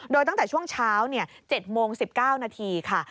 โดยตั้งแต่ช่วงเช้า๗โมง๑๙นาทีค่ะ